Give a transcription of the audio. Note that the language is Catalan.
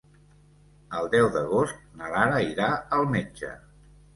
El deu d'agost na Lara irà al metge.